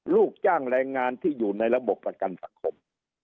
ลูกจ้างแรงงานที่อยู่ในระบบประกันสังคม